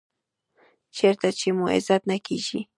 چېرته چې مو عزت نه کېږي .